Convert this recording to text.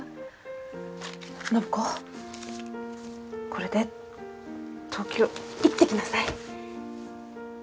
これで東京行ってきなさい。